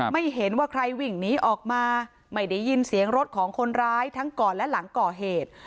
ไม่เห็นว่าใครวิ่งหนีออกมาไม่ได้ยินเสียงรถของคนร้ายทั้งก่อนและหลังก่อเหตุ